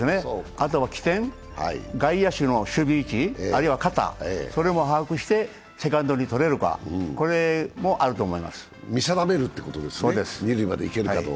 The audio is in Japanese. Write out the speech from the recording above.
あとは機転、外野手の守備位置、あるいは肩も把握してセカンドに取れるか、二塁まで行けるか見定めるということですね。